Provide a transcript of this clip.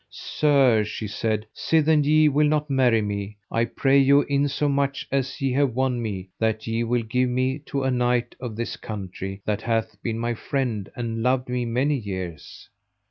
Sir, she said, sithen ye will not marry me, I pray you insomuch as ye have won me, that ye will give me to a knight of this country that hath been my friend, and loved me many years.